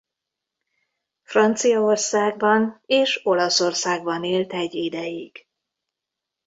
Franciaországban és Olaszországban élt egy ideig.